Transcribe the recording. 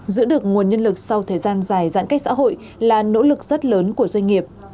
giữ được nguồn nhân lực sau thời gian dài giãn cách xã hội là nỗ lực rất lớn của doanh nghiệp